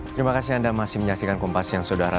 terima kasih anda masih menyaksikan kompas siang saudara